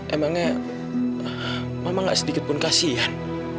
emangnya mama gak sedikit pun kasihan